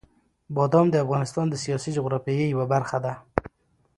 بادام د افغانستان د سیاسي جغرافیې یوه برخه ده.